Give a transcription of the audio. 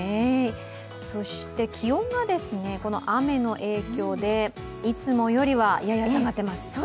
そして気温がこの雨の影響でいつもよりはやや下がっています。